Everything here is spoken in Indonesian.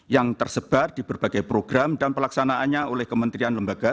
yang tersebar di berbagai program dan pelaksanaannya oleh kementerian lembaga